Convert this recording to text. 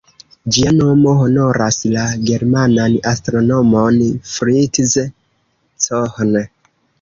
Ĝia nomo honoras la germanan astronomon Fritz Cohn.